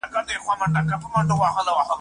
خوګراني! زه نو دلته څه ووايم ؟